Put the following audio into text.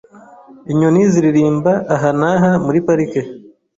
Inyoni ziririmba aha naha muri parike.